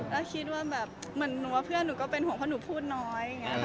แล้วคิดว่าเหมือนหนัวเพื่อนหนูก็เป็นห่วงเพราะหนูพูดน้อย